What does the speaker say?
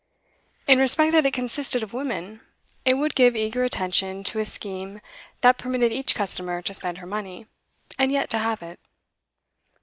In respect that it consisted of women, it would give eager attention to a scheme that permitted each customer to spend her money, and yet to have it.